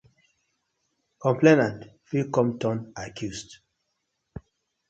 Complainant fit com turn accused.